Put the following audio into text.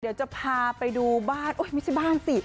เดี๋ยวจะพาไปดูบ้านไม่ใช่บ้านสิ